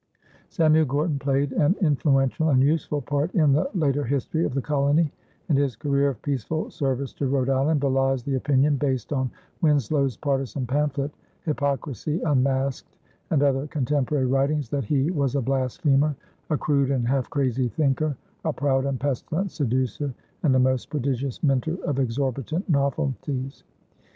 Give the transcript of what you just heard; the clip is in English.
Samuel Gorton played an influential and useful part in the later history of the colony, and his career of peaceful service to Rhode Island belies the opinion, based on Winslow's partisan pamphlet, Hypocrasie Unmasked, and other contemporary writings, that he was a blasphemer, a "crude and half crazy thinker," a "proud and pestilent seducer," and a "most prodigious minter of exorbitant novelties."